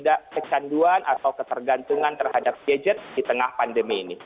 ini akan membantu kita untuk tidak kecanduan atau ketergantungan terhadap gadget di tengah pandemi ini